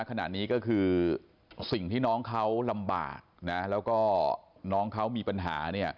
ขณะนี้ก็คือสิ่งที่น้องเขาลำบากนะแล้วก็น้องเขามีปัญหา